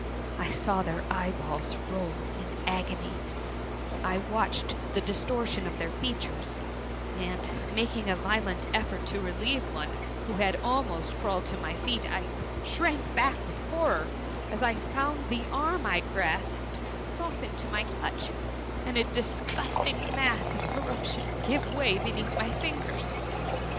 I saw their eye balls roll in agony ^I watched the distortion of their features, and, making a violent effort to relieve one who had almost crawled to my feet, I shrank back with horror as I found the arm I grasped soften to my touch, and a disgusting mass of corruption give way beneath my fingers